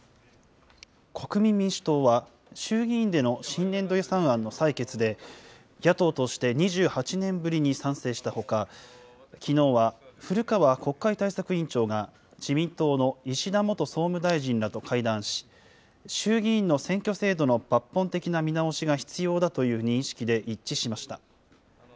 国民民主党は衆議院での新年度予算案の採決で、野党として２８年ぶりに賛成したほか、きのうは古川国会対策委員長が自民党の石田元総務大臣らと会談し、衆議院の選挙制度の抜本的な見直しが必要だという認識で一致しました。